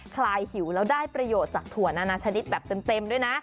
คลายหิวแล้วได้ประโยชน์จากถั่วนานาชนิดแบบเต็มด้วยนะ